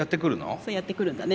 そうやって来るんだね。